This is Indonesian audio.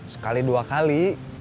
sekali dua kali